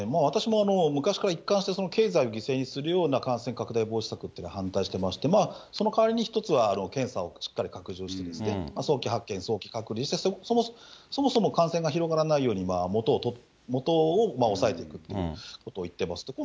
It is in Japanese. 私も昔から一貫して経済を犠牲にするような感染拡大防止策っていうのは反対してまして、その代わりに１つは検査をしっかり拡充して、早期発見、早期隔離して、そもそも感染が広がらないように元を抑えていくっていうことを言ってます。